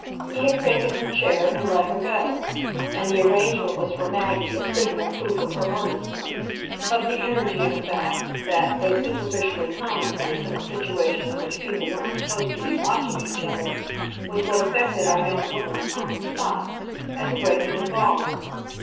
He had taken her chair and let her go, and the arrangement was for Maggie a signal proof of her earnestness; of the energy, in fact, that, though superficially commonplace in a situation in which people weren't supposed to be watching each other, was what affected our young woman, on the spot, as a breaking of bars.